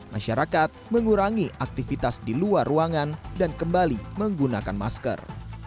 masyarakat mengurangi aktivitas di luar ruangan dan kembali menggunakan masker